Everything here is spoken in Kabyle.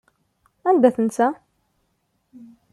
Anda tensa?